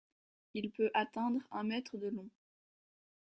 Il peut atteindre un mètre de long.